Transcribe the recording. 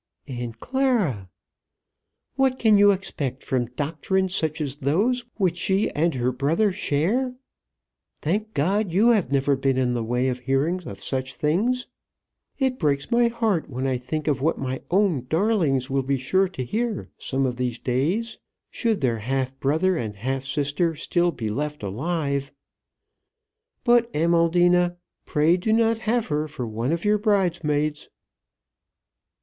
"Aunt Clara!" "What can you expect from doctrines such as those which she and her brother share? Thank God, you have never been in the way of hearing of such things. It breaks my heart when I think of what my own darlings will be sure to hear some of these days, should their half brother and half sister still be left alive. But, Amaldina, pray do not have her for one of your bridesmaids."